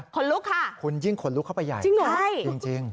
ขนลุกค่ะคุณยิ่งขนลุกเข้าไปใหญ่จริงหรอใช่จริงจริง